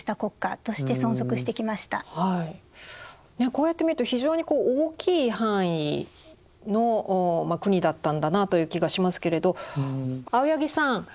こうやって見ると非常に大きい範囲の国だったんだなという気がしますけれど青柳さん